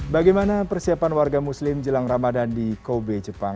bagaimana persiapan warga muslim jelang ramadan di kobe jepang